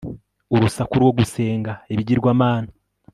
Urusaku rwo gusenga ibigirwamana